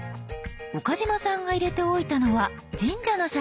岡嶋さんが入れておいたのは神社の写真。